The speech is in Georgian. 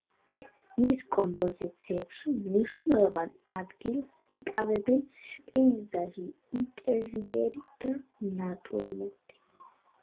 მის კომპოზიციებში მნიშვნელოვან ადგილს იკავებს პეიზაჟი, ინტერიერი და ნატურმორტი.